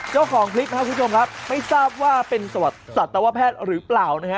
เจ้าของคลิปนะครับคุณผู้ชมครับไม่ทราบว่าเป็นสัตวแพทย์หรือเปล่านะฮะ